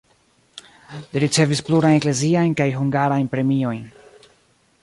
Li ricevis plurajn ekleziajn kaj hungarajn premiojn.